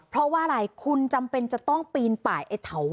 เพราะว่าอะไรคุณจำเป็นจะต้องปีนไปไอเหี้ยเถาวัน